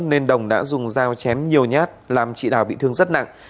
nên đồng đã dùng dao chém nhiều nhát làm chị đào bị thương rất nặng